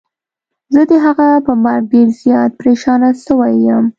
زه د هغه په مرګ ډير زيات پريشانه سوی يم.